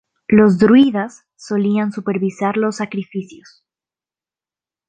Los druidas solían supervisar los sacrificios.